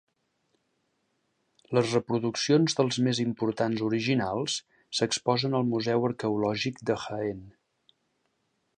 Les reproduccions dels més importants originals s'exposen al Museu Arqueològic de Jaén.